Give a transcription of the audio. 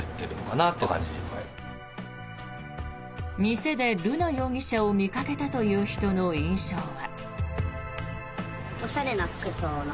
店で瑠奈容疑者を見かけたという人の印象は。